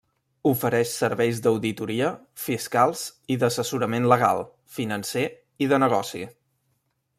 Ofereix serveis d'auditoria, fiscals i d'assessorament legal, financer i de negoci.